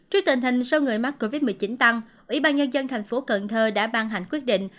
trước tình hình sâu người mắc covid một mươi chín tăng ủy ban nhân dân tp cần thơ đã ban hành quyết định